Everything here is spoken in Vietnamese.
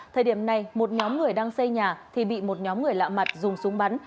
thời điểm này một nhóm người đang xây nhà thì bị một nhóm người lạ mặt dùng súng bắn